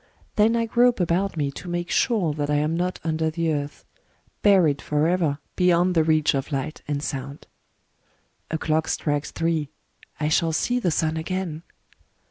Then I grope about me to make sure that I am not under the earth, — buried forever beyond the reach of light and sound. ... A clock strikes three! I shall see the sun again